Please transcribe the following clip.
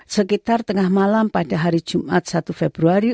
sekitar tengah malam pada hari jumat satu februari